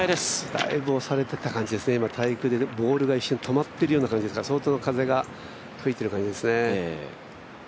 だいぶ押されてた感じですね、滞空でボールが止まった感じでしたから相当な風が吹いている感じですね。